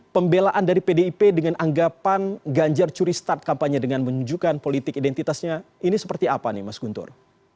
pembelaan dari pdip dengan anggapan ganjar curi start kampanye dengan menunjukkan politik identitasnya ini seperti apa nih mas guntur